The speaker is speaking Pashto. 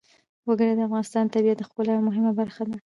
وګړي د افغانستان د طبیعت د ښکلا یوه مهمه برخه ده.